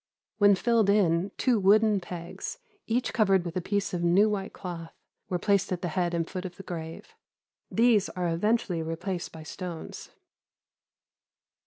When filled in, two wooden pegs, each covered with a piece of new white cloth, were placed at the head and foot of the grave. These are eventually replaced by stones.